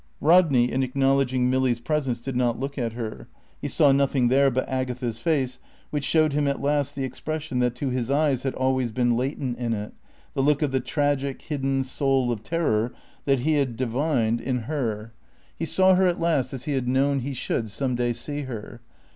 Rodney, in acknowledging Milly's presence, did not look at her. He saw nothing there but Agatha's face which showed him at last the expression that to his eyes had always been latent in it, the look of the tragic, hidden soul of terror that he had divined in her. He saw her at last as he had known he should some day see her.